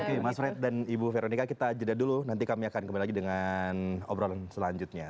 oke mas fred dan ibu veronica kita jeda dulu nanti kami akan kembali lagi dengan obrolan selanjutnya